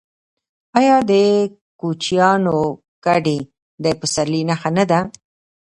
آیا د کوچیانو کډې د پسرلي نښه نه ده؟